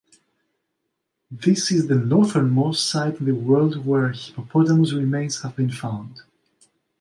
This is the northernmost site in the world where hippopotamus remains have been found.